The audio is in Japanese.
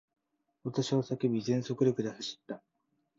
私は叫び、全速力で走った。